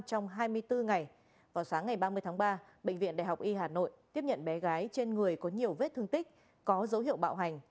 trong hai mươi bốn ngày vào sáng ngày ba mươi tháng ba bệnh viện đại học y hà nội tiếp nhận bé gái trên người có nhiều vết thương tích có dấu hiệu bạo hành